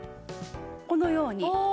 このように。